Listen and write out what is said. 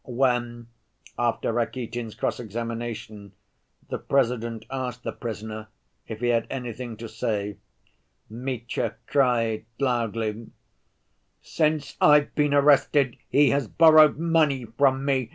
When, after Rakitin's cross‐ examination, the President asked the prisoner if he had anything to say, Mitya cried loudly: "Since I've been arrested, he has borrowed money from me!